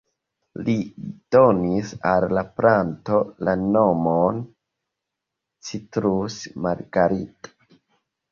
Li donis al la planto la nomon "Citrus margarita".